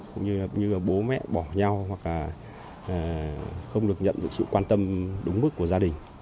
cũng như bố mẹ bỏ nhau hoặc là không được nhận sự quan tâm đúng mức của gia đình